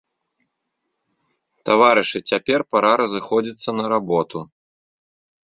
Таварышы, цяпер пара разыходзіцца на работу.